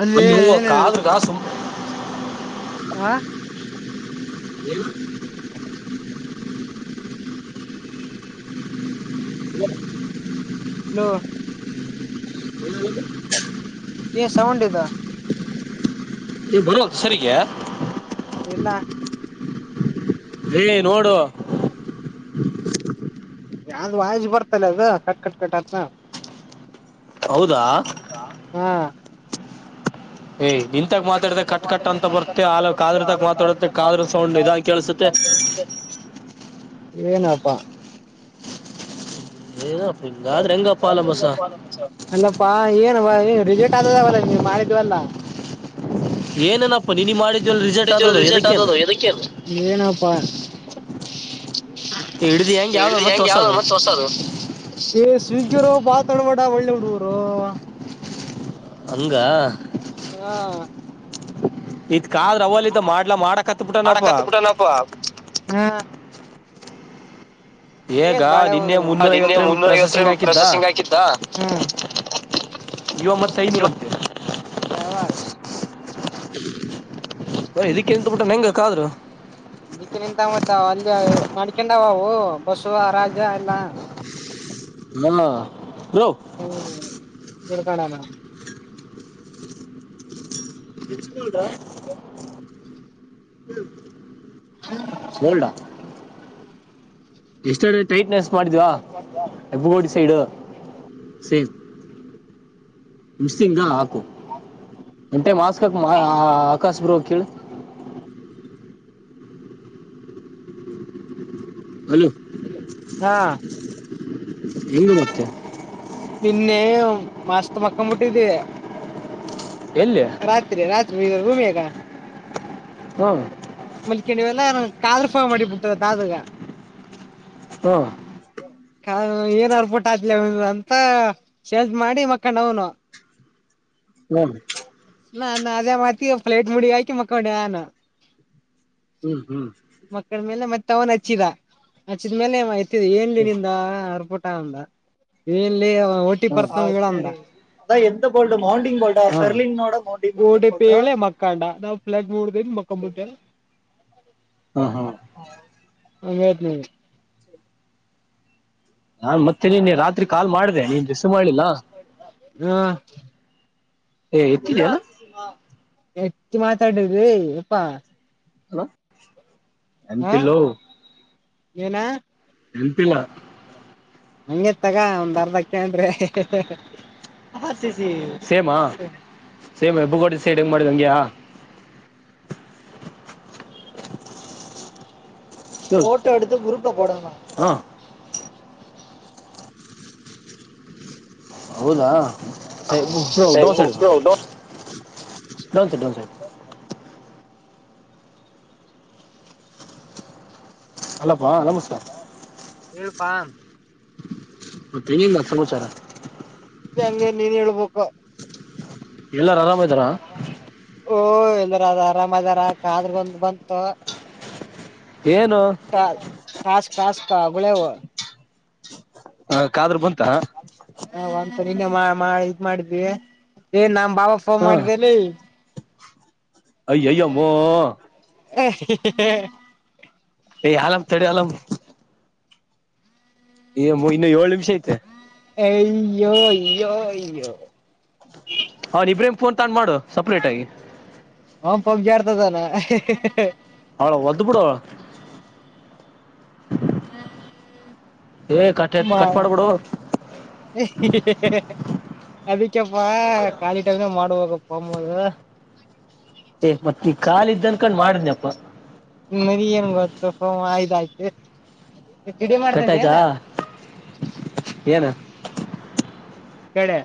ಅಲ್ಲಿ ಅ ಕಾದ್ರ ಕಸು [unintelligible] ಹಾ ಏನು ಹ [unintelligible] [unintelligible] ನ ಹ [unintelligible] ಏ ಸೌಂಡ್ ಇದ ಎ ಬರೋ ಹೆಸರರಿಗೆ ಇಲ್ಲ ಹೇ ನೋಡು [unintelligible] ಯಾವ್ದ ವಾಜಜ್ ಬರ್ತಲ್ಲ ಅದ ಕಟ್ ಕಟ್ ಕಟ್ತ್ ಹೌದಾ ಹೌದಾ ಹಾ ಏ ಇಂತಾಗ ಮಾತಾಡುತ್ತೆ ಕಟ್ ಕಟ್ ಮಾತಾಡಿದ್ರೆ ಅಂತ ಕಟ್ ಬರುತ್ತೆ ಅಂತ ಆಾಲ ಬರುತ್ತೆ ಕಾದ್ರ ಆ ತಾಗ ಮಾತಾಡುತ್ತೆ ಕಾದ್ರದಾಗ ಕಾದ್ರ ಮಾತಾಡುತ್ತೆ ಸೌಂಡ್ ಇದ ಕಾದ್ರ ಸೌಂಡ್ ಕೇಳಸುತ್ತೆ ಇದಾಗ ಕೇಳಿಸುತ್ತೆ ಏನಪ್ಪಾ ಇಗ [inaudible] ಅಲ್ಲಪ್ಪಾ ಎನ್ ರಿಜೆಟ್ ಆದದವಲ್ಲ ನೀವು ಮಾಡಿದ್ವಲ್ಲ ಏನೇನಪ್ಪ ನಿನಿ ಮಾಡಿದ್ವಲ್ಲ ರಿಜೆಕ್ಟ್ ಕಾಲೇಜಲ್ಲಿ ಆದದು ರಿಸಲ್ಟ್ ಎದಕ್ಕೇನು ಇದ್ದುಕ್ಕೆ ಅದು ಬಪ್ಪಾರ್ ಹಿಡಿದು [inaudible] ಹೆಂಗ್ ಯಾವ್ದು ಹಿಡ್ದು ಮತ್ತೆ ಹೆಂಗ ಯಾವ್ದ ಹೊಸದು ಬಸ್ ಹೊಸದು ಯುಎಸ್ ಸ್ವಿಗ್ಗಿಯರು ಬಾತಾಡಬೇಡ ಒಳ್ಳೆ ಹುಡುಗರು ಹಂಗ ಹ್ಮ ಇದ್ ಕಾದ್ರ ಅವಲ್ದ ಮಾಡ್ಲಾ ಮಾಡಕ್ ಹತ್ಬಿಟ್ಟನಪ್ಪ ಮಾಡಕತ್ ಬಿಟ್ಟನಪ್ಪಾ ಹಾ ಈಗ ನಿನ್ನೆ ಮುನ್ನೂರ [inaudible] ನಿನ್ನೆ ಐವತ್ತರ ಮುನ್ನೂರ ಐವತ್ ಪ್ರೊಸೆಸಿಂಗ್ ಹಾಕಿದ್ದ ಪ್ರೊಸೆಸಿಂಗ್ ಹಾಕಿದ್ದ ಇವ ಮತ್ತ ಐನೂರತ್ತ ಪ್ರವಶ ಹ ಇದಕ್ಕೆ ಎಂತ ಬಿಟ್ಟ ಹೆಂಗ ಕಾದ್ರರು ನಿಕ್ಕೆ ನಿಂತಮ್ಮತ್ ಅಲ್ಲಿ ಮಾಡ್ಕೊಂಡಾವ ಅವು ಬಸವ ರಾಜ ಎಲ್ಲಾ [inaudible] ನ ರೋ ಬಿಳ್ಕನಾನ ದಾ [inaudible] ಹ [inaudible] [unintelligible] ಎಷ್ಟ ಟೈಟ್ನೆಸ್ ಮಾಡಿದ್ವಾ ಬಡಿ ಸೈಡು ಸೇಮ್ ಮಿಸ್ಸಂಗಾ ಹಾಕು ಎಂಟೆ ಮಾಸ್ಕ್ಕ ಆಕಾಶ ಬ್ರೋ ಕೇಳಿ [inaudible] ಹಲೋ ಹಾ ನಿಮ್ಮದು ಮತ್ತೆ ನಿನ್ನೆ ಮಾಸ್ತ ಮಕ್ಕನ್ ಮುಟ್ಟಿದ ಎಲ್ಲಿ ರಾತ್ರಿ ರಾತ್ರಿ ಬೇಗ [unintelligible] ಹ್ಮ [unintelligible] ಮಲ್ಕಂಡಿವಲ್ಲ ಕಾದ್ರ ಫವ ಮಾಡಿಬ ಬಿಟ್ಟದ ದಾದಗ ಹಾ [unintelligible] ಕಾ ಏನ್ ಅರ್ಪಟ್ ಆಅವನ್ ಅಂತ ಸೇಜ ಮಾಡಿ ಮಕ್ಕಂಡ ಅವ್ನು ಹ ನಾ ನ ಅದೇ ಮತಿ ಪ್ಲೇಟ್ ಮುಡಿ ಆಯಕಿ ಮಕ್ಕೊಂಡಾನ ಹ್ಮ್ ಹ್ಮ್ ಮಕ್ಕಳ ಮೇಲೆ ಮತ್ತೆ ಅವನ್ ಹಚ್ಚಿದ ಆದ ಮೇ ಏನ ಲೇ ನಿಂದ ಆರ್ಭಟ [unintelligible] ಏನ್ ಲೇ ಅಲ್ಲಿ ಒಟ್ಟಿ ಬರ್ತ ಹೇಳಡಂದ ಬಲ್ಡ್ ಹೌಂಡಂಗ ಬೋಲ್ಡಾ ಸರ್ಲಿನ್ ನೋಡ ಓಡೆಪಿಳೆ ಮಕ್ಕಾಂಡ ನಾವ್ ಫ್ಲಟ್ ಮೂಡ್ದನ್ ಮಕ್ಕಂಬಿಟ್ಟಲ್ಲ ಹ್ಮ್ ಹ್ಮ್ ಆ [unintelligible] ಮೇದ ನಾನ್ ಮತ್ತೆ ನಿನ್ನೆ ರಾತ್ರಿ ಕಾಲ್ ಮಾಡ್ದೆ ನೀನ್ ರಿಸ ಮಾಡ್ಲಿಲ್ಲ ಹಾ ಏ ಇಯಾ ಹೆಚ್ಚು ಮಾತಾಡಿದ್ರಿ ಇಪ್ಪಾ ಹಲೋ ಎಂತಲ ಏನ ನೆನಪಿಲ್ಲ ಹಂಗೆ ಮತ್ಗಒಂದರ್ದಕ್ಕನ್ರ ಹಾ ಸಿ ಸಿ ಸೇಮಾ ಸೇಮ್ ಬಗೋಡ ಸೈಡ್ ಹೆಂಗ್ ಮಾಡಿದ್ ಹಂಗ್ಯಾ ಹ್ಮ ಫೋಟೋ ಹಿಡದು ಗರುೂಪಡ ಹೌದಾ ಬ್ರೋ ಹೇ [unintelligible] ಡನ್ ಸರ್ಟ್ಡನ್ ಸೆಟ್ ಅಲ್ಲ ವಾಹ ನಮಸ್ಕಾರ ಬನ್ [inaudible] ಮತ್ತೆ ಇನ್ನಿಂದ ಹಂಗೆ ನೀನ್ ಹೇಳ್ಬಬೇಕ ಹ ಎಲ್ಲಾರು ಆರಾಮ ಇದ್ದಾರಾ ಓ ಎಲ್ಲರ ಅದ ಆರಾಮ್ದಾರ ಕಾದ್ರ ಬಂದ ಬಂತು ಏನು ಾಸ್ ತ್ರಾಸಕಾ ಗುಳಾವ ಹ ಕಾದ್ರೂ ಬಂತ ಸರಿನಮ್ಮ ಇದ್ ಮಾಡ್ವಿ ಏನ್ ನಮ್ ಬಬ ಫೋನ್ ಹ ಮಾಡಿದ್ದೇನೆ ಅಯ್ಯಯ್ಯಮ್ಮೋ ಹ ಹೇ ಏ ಅಲ್ ತಡಿ ಅಲಂ ಏ ಇನ್ನು ಏಳ್ ನಿಮಿಷ ಐತೆ ಅಯ್ಯೋ ಅಯ್ಯೋ ಅಯ್ಯೋ ಹಾ ನಿ ಪ್ರೇಮ ಪೋನ್ ತನ್ ಮಾಡು ಸಪ್ರೇಟ್ ಆಗಿ ಹಂ ಪಪ ಜಾರತದಾನ ಅವಳ ವದ್ದ ಬಿಡ ಹ್ಮ ಕಟ್ ಮ ಕಟ್ ಮಾಡ್ಬಿಡು ಅದು ಅ್ಯಪ್ಪಾ ಾಲಿ ಟೈ್ನ ಮಾಡುವ ಪಾ ಪಮದು ಅನ್ಕಂಡ್ ಮಾಡ್ದನಪ್ಪಾ ಆಯ್ತ [unintelligible] ಕಿಡಿ ಮಾಡ್ತ್ದ ಏನು ಕಡೆ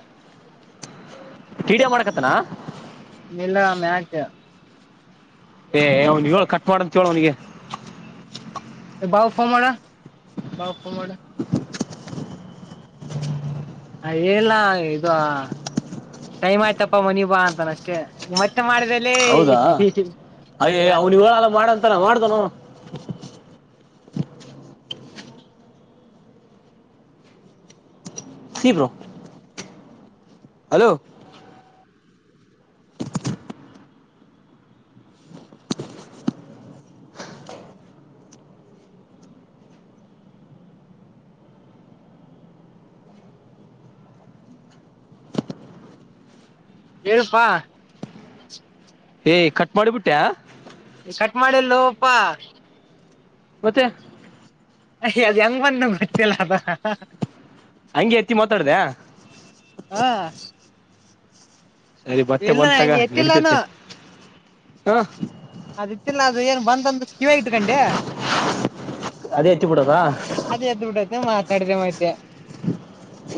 ವೀಡಿಯೊ ಮಾಡ್ಕತ್ತನಾ ಮಲ್ಲ ಮ್ಯಾಕ ಏ ಅವನಿಗೆ ಹೇಳ ಕಟ್ ಮಾಡಂತ ಹೇಳ ಅವನಿಗೆ ಬವುಫಾಮಡ ಬವುಫ ಮಾಡಡ ಅ ಎಲ್ಲ ಇದು ಟೈಮ್ ಆಯ್ತಪ್ಪ ಮನಿ ಬಾ ಅಂತಾನ ಅಷ್ಟೇ ಮತ್ತೆ ಮಾಡಿದೆ ಹೌದಾ ಅಯ್ಯಯ್ಯೋ ಅವ್ನು ಇವಾಗ ಮಾಡಂತಾನ ಮಾಡ್ದನೋ [unintelligible] ಸಿ ಬ್ರೋ ಹಲೋ ಹೇಳಪ್ಪಾ ಏಯ ಕಟ್ ಮಾಡಿಬಿಟ್ಟ್ಯಾ ಕಟ್ ಮಾಡಿಲ್ಲ ಹೋವಪ್ಪಾ ಮತ್ತೆ ಅದೇ ಎಂಗ್ ಬಂದೆ ಮತ್ತೆ [unintelligible] ಹಂಗೆ ಎತ್ತಿ ಮಾತಾಡ್ದೆ ಹಾ ಸರಿ ಬತ್ತೆ ಬಂತಾಗ ಎತ್ತಿಲ್ಲಾನು ನಡೀಿತತೆ ಹಾ ಅದಿತ್ತಲ್ಲ ಅದು ಏನ್ ಬಂದಂತ್ ಕಿವಿಯಗ್ ಇಟ್ಕೊಂಡೆ ಅದೇ ಎತ್ತಿ ಬಿಡೋದಾ ಅದೇ ಎದ್ ಬಿಡ್ಡತೆ ಮಾತಾಡಿದ ಮಾತೆ ಕೆ [unintelligible]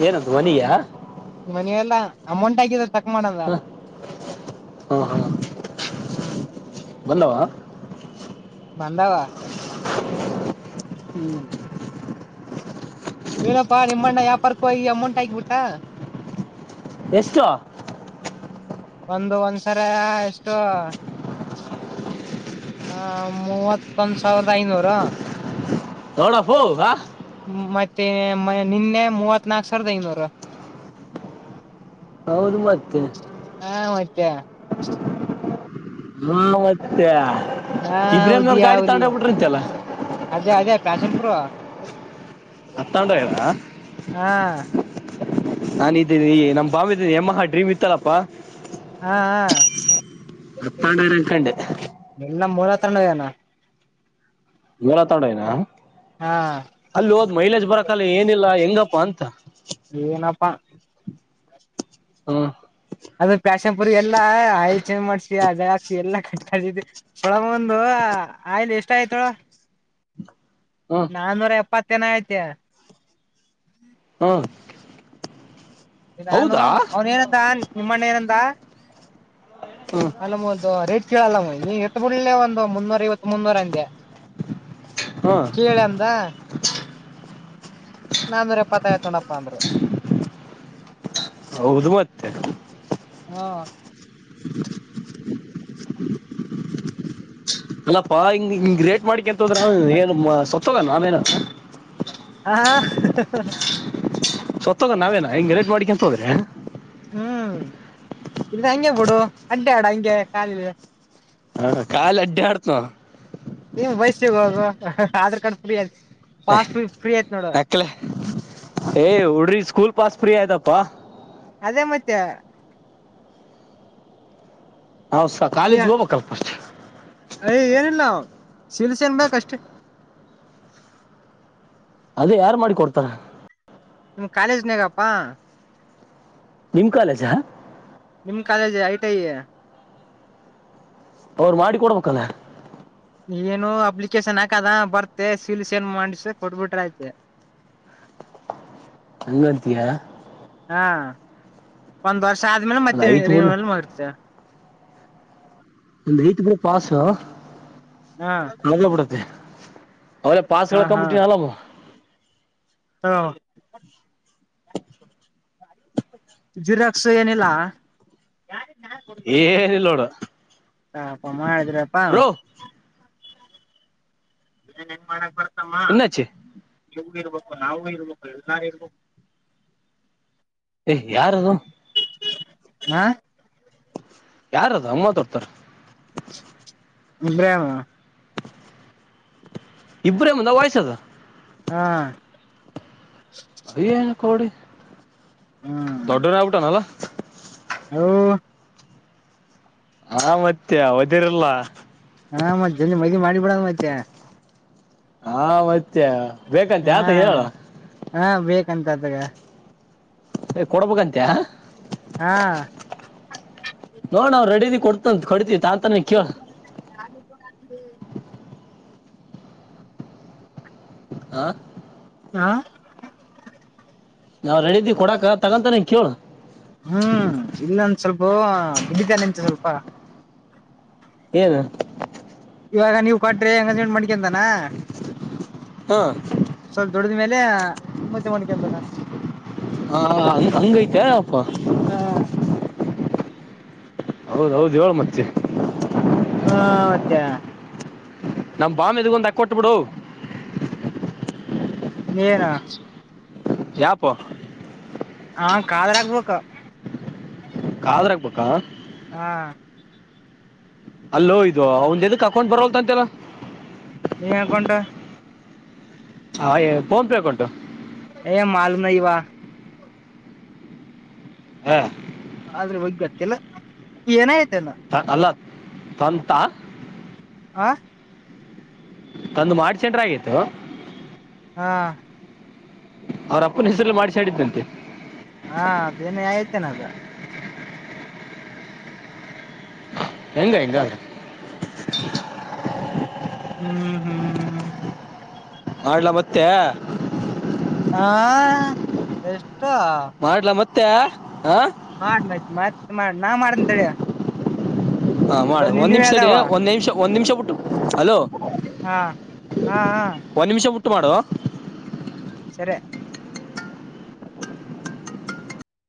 ಏನು ಧ್ವನಿಯಾ ಮನೆಯಲ್ಲಾ ಅಮೌಂಟ್ ಆಗಿದೆ ತ ಮಡಲ್ಲಾ. ಹ್ಮ್. ಬಂದುವಾ. [unintelligible] ಬಾಧಾವ ಹ್ಮ್ ವೀನಪ್ಪಾ ನಿಮ್ಮಣ್ಣ ಯಾಪಾರ್ಕ್ಕೋ ಈ ಅಮೌಂಟ್ ಆಾಕ್ಬಿಟ್ಟಾ ಎಷ್ಟು ಒಂದು ಒಂದ್ಸರ ಎಷ್ಟೋ ಆ ಮೂವತ್ತೊಂದ ಸಾವಿರದ ಐನೂರು ನೊಡಪೋ ಗಾ. ್ಮ ಮತ್ತೆ ಮ ನಿನ್ನೆ ಮೂವತ್ ನಾಕ್ ಸಾವಿರದ ಐನೂರು ಹೌದು ಮತ್ತೆ ಕೆ ಹ್ಮ್ ಮತ್ತೆ ಹಾ ಇಬ್ರಾಹಿಂನವ್ರ ಉದಿಯ ಗಾಡಿ ಉಲಿಯಾ. ತಗೊಂಡೋಗ್ಬಿಟ್ರಂತೆಲ್ಲ ಅದೇ ಅದೇ ಪ್ಯಾಷನ್ ಪ್ರೊ ಅಡ್ತಗೊಂಡು ಒಗ್ಯಾರ ಹಾ ನಾನು ಇದ್ದೀನಿ ಈ ನಮ್ಮ ಬಂಬ ಇದೀನಿ ಯಮ್ಮಹ ಡ್ರೀಮ್ ಇತ್ತಲ್ಲಪ್ಪಾ ಹ ಹಾ... ಅಡ್ತಗೊಂಡೋಗ್ಯಾರ ಅನ್ಕೊಂಡೆ ಎಲ್ಲ ಮೂಲ ಹತ್ರನ್ಯನ [unintelligible] ಹಾ. ಅಲ್ಲಿ ಹೋದ್ ಮೈಲೇಜ್ ಬರಕ್ಕಲ್ಲ ಏನಿಲ್ಲ ಹೆಂಗಪ್ಪಾ ಅಂತ ಏನಪ್ಪ. ಹಾ ಅದು ಪ್ಯಾಶನ್ ಪುರಿ ಎಲ್ಲಾ ಆಯಿಲ್ ಚೇಂಜ್ ಮಾಡ್ಸಿಡಾಕ್ಸಿ ಎಲ್ಲ ಕಸಿದತಿ ಸೊಳ ಮಗಂದು ಒಂದು ಆಯಿಲ್ ಎಷ್ಟ ಆಗ್ಯಾತೆ ಹೇಳು ಹ್ಮ್ ನಾನೂರ ಎಪ್ಪತ್ ಮತ್ತೇನ್ ಆಗೇತಿ ಹಾ- ನಾನು ಅವನ ಏನಂದ ನಿಮ್ಮಣ್ಣ ಏನಂದ ಹ ಅಲ್ಲಮ್ಮ ಒಂದು ರೇಟ್ ಕೇಳಲ್ಲ ಮ ನೀ ಎತ್ ಬಿಡ್ಳ್ಳಲೆ ಒಂದು ಮುನ್ನೂರ ಐವತ್ ಮುನ್ನೂರ ಅಂದೆ ಹ್ಮ್ ಕೇಳ ಅಂದಾ... ನಾನೂರ ಎಪ್ಪತ್ತಾಯತ ನೋಡಪ್ಪ ಅಂದ್ರ ಹೌದು ಮತ್ತೆ ಹ್ಮಾ.... [inaudible] ಅಲ್ಲಾಪ್ಪಾ ಹಿಂಗ ಹಿಂಗ ರೇಟ್ ಮಾಡಿಕಂತ.. ಸತೋದ್ರ ಏನು ಮಾ ಸೊ.. ಸತ್ತೋಗ ನಾವೇನೇ ಆ ಆ.. [unintelligible] ಹಾ ಸತ್ತುಹೋದ ನಾವೇನ ಹಿಂಗ ನೆಗ್ಲೆಟ್ ಮಾಡಿಕ ಅಂತ ಹೋದ್ರೆ ಹ್ಮ್ ಇ ಹಂಗೆ ಬಿಡು ಅಡ್ಯಾಡ್ ಹಂಗೆ ಕಾಲಲಿ ಹ ಕಾಲೇ ಆಡ್ಯಾಡ್ತಿನೋ ನೀನ್ ಬಯಸ್ಸಗ ಹೋಗುವ ಆಧಾರ್ ಕಾರ್ಡ್ ಫ್ರೀ ಅ ಪಾಸ್ ಫ್ರೀ.. ಫ್ರೀ ಆಯ್ತ್ ನೋಡ ಏಯ್ ಹುಡ್ರಿಗೆ ಸ್ಕೂಲ್ ಪಾಸ್ ಫ್ರೀ ಆದಾಪ್ಪಾ ಅದೇ ಮತ್ಯಾ.. ಹೌಸರ್ ಕಾಲೇಜಿಗೆ ಹೋಗಬೇಕಲ್ಲ ಫಸ್ಟ್ ಅಯ್ ಏನಿಲ್ಲ ಶಿಲ್ಸೆ ಅನ್ ಬಕ್ ಅಷ್ಟೇ ಅದ ಯಾರ್ ಮಾಡಿ ಕೊಡ್ತಾರ ನಿಮ ಕಾಲೇಜ್ನಗಪ್ಪಾ ನಿಮ್ ಕಾಲೇಜಾ... ನಿಮ್ ಕಾಲೇಜ್ ಐ ಟಿ ಐ ಅವರು ಮಾಡಿ ಕೊಡ್ಬೇಕಲ್ಲ ನೀನು ಅಪ್ಲಿಕೇಶನ್ ಹಾಕದ ಬರ್ತೆ ಸೀಲ್ ಸೈನ್ ಮಾಡಸಿ ಕೊಟ್ಬಿಟ್ರಐತೆ.. ಹಂಗಂತೀಯಾ ಹಾ.. ಒಂದು ವರ್ಷ ಒಂದ ವರ್ಷ ಆದ್ಮೇಲೆ ಅದ್ ಮತ್ತೆ ಐತ್ ಬಿಡ್ ರಿನೀವಲ್ ಮಾಡ್ತಿದ್ಯಾ ಒಂದು ರೀತಿ ಬಿಡ್ ಪಾಸೊ ಹಾ ಮಗ್ಲ ಬಿಡತ್ತೆ ಅವಗ್ಲೇ ಪಾಸ್ಗ ಹಾ ಏಳಕಂಬಿಟ್ಟನ ಅಲ್ಲಮ್ಮ ಹಾ ಜೆರಾಕ್ಸ್ ಏನಿಲ್ಲ ಏನಿಲ್ಲ ನೋಡು ಪ ಅಮ್ಮ ಎದರಪ್ಪ ಬ್ರೋ ಇನ್ ಹೆಂಗ್ ಮಾಡಕ್ ಬರ್ ಮ್ಮ ಇನ್ನಾಚಿ ಇರ್ಬೇಕು ನಾವವು ಇರ್ಬೇಕು ಎನಾರು ಇರ್ಬೇಕ ಏ್ ಯಾರ ಅದು ಹಾ ಯಾರದು ಅಮ್ಮ ತೋಡ್ತಾರ ಬ್ರಾಮ ಇಬ್ರಾಹಿಮ್ ಅಂದ ವಯಸ್ಸ ಅದ ಹಾ ಏನು ಕಡಿ ದೊಡ್ಡೋ ನಪುಟಾನಲ್ಲಾ ಹ ಹಾ ಮತ್ತೆ ಅವದಿರಲ್ಲ ಹಾ ಮತ್ತ್ ಜಲ್ ಮದ ಮಾಡಿ ಬಿಡದು್ ಮತ್ತೆ ಹಾ ಮತ್ತ ಹಾ ಹಾ ಬ [unintelligible] ಂತತಗ [unintelligible] ಯ ಕೊಡಬೇಕಂತ ಹಾ ನೋಡ್ ನಾವು ರೆಡೀಿ ಕೊಡ್ತ ಡತ [inaudible] [unintelligible] ತ್ತ ನಿಖುವ ಯಡು ಕಡ ಹಾ ಆಾ ನಾವ್ ರೆಡಿದಿ ಕೊಡಕ ತಗಂತ ನೀನ್ ಕೇಳು ಹ್ಮ್ ಇಲ್ಲ ಸ್ವಲ್ಪ ಬಿಡಿತನೆ ಎಂತ ಸ್ವಲ್ಪ ಏನು ಇವಾಗ ನೀವ್ ಕಟ್ರೆ ಅಂಗೇಜ್ಮೆಂಟ್ ಮಾಡಡಿಕಂತಾನ ಹಾ ಸಲ್ ದೊಡದ ಮೇಲೆ ಇ ಮುಜ ಮಣಿಕಂಬನ ಹಾ ಹಂಗ ಹಂಗೈತೆ ಅಪ್ಪ ಹ ಹೌದೌದು ಏಳು ಮತ್ತೆ ಹಾ ಮತ್ತೆ ನಮ ಬಾಮೆದುಗೊಂದ ಕೊಟ್ಬಿಡು ನಾ ಯಪ್ಪ ಹಾ ಕಾದರ್ ಆಗ್ಬೇಕ ಕಾದ್ರ ಆಗ್ಬೇಕಾ ಹಾ ಅಲ್ಲೋಯದು ಅವ್ ಎದಕ್ ಹಾಕೊಂಡ್ ಬರವಲ್ ಅಂತೆಲ್ಲ ನೀ ಹಕಂಟಾ ಹೇ ಫೋನ್ ಪೇ ಅಕೌಂಟ್ ಏ ಮಾಲ್ ನ ವ ಹಾ ಆದ್ರೆ ಒಗ್ ಗತ್ತಿಲ್ಲ ಏನಾಯತ ಹ ಅ ತಂತ ಆ ತಂದು ಮಾಡಿ ಸೆಂಟ್ರ ಆಗಿತ್ತು ಹಾ ಅವ್ರಪ್ಪನ ಹೆಸರುಲ್ಲ ಮಾಡಿಸಾಡಿದ್ದಂತೆ ಹಾ ಅದೇನ ಆಯ್ತೇನೆ ಅದ ಹೆಂಗ ಹೆಂಗ್ರ ಹ್ಮ್ ಹ್ಮ್ ಹ್ಮ್ [unintelligible] ಮತ್ತೆ ಹಾ ಎಷ್ಟ ಹ [inaudible] ಮತ್ತ ಹ ಮಾಡ ಮತ್ ಮತ್ ಮಾಡ ನಾ ಮಾಡಂತಳ ಹಾ ಮಾಡ್ ಒಂದ್ ನಿಮಿಷಡಿ ಒಂದ್ ನಿಮಿಷ ಒಂದ್ ನಿಮಿಷ ಬಿಟ್ಟು ಹಲೋ ಹಾ ಹಾ ಹಾ ಮಾಡುವ ಸರಿ